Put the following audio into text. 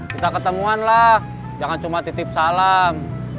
kita ketemuan lah jangan cuma titip salam